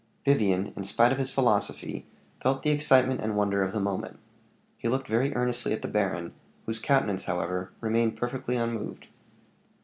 Vivian, in spite of his philosophy, felt the excitement and wonder of the moment. He looked very earnestly at the baron, whose countenance, however, remained perfectly unmoved.